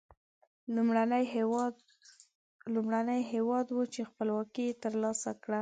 لومړنی هېواد و چې خپلواکي تر لاسه کړه.